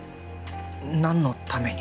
何のために？